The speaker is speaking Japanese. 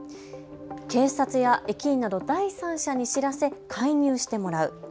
警察や駅員など第三者に知らせ介入してもらう。